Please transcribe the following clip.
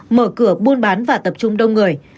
mở cửa buôn bán và tập trung đông người